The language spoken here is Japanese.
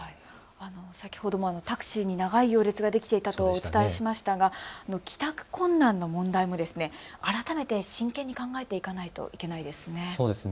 先ほどもタクシーに長い行列ができていましたが帰宅困難の問題も改めて真剣に考えていかないといけないですね。